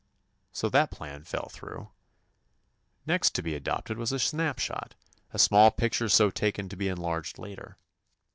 So that plan fell through. Next to be adopted was a snap shot, the small 166 TOMMY POSTOFFICE picture so taken to be enlarged later.